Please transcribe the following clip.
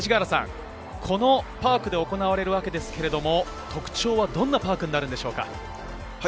このパークで行われるわけですが、特徴はどんなところ、パークになるんでしょうか？